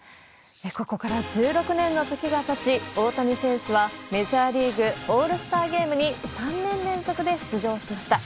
ここから１６年の時がたち、大谷選手はメジャーリーグ・オールスターゲームに３年連続で出場しました。